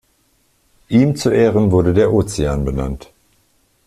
Ihm zu Ehren wurde der Ozean benannt.